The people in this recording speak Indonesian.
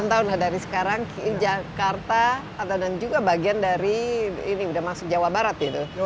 sembilan tahun dari sekarang jakarta dan juga bagian dari ini sudah masuk jawa barat ya